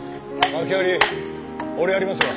まき割り俺やりますよ。